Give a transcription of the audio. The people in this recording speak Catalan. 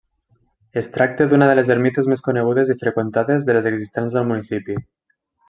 Es tracta d'una de les ermites més conegudes i freqüentades de les existents al municipi.